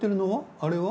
あれは？